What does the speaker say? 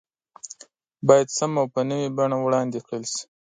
بايد سم او په نوي بڼه وړاندې کړل شي